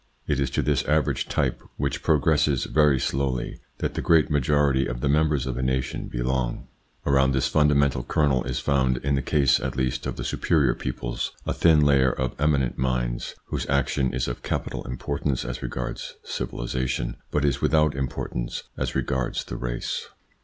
It is to this average type, which progresses very slowly, that the great majority of the members of a nation belong. Around this fundamental kernel is found in the case at least of the superior peoples a thin layer of eminent minds, whose action is of capital importance as regards civilisation, but is with out importance as regards the race.